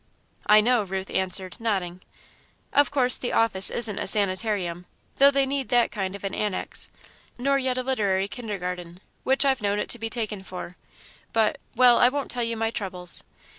"I know," Ruth answered, nodding. "Of course the office isn't a sanitarium, though they need that kind of an annex; nor yet a literary kindergarten, which I've known it to be taken for, but well, I won't tell you my troubles.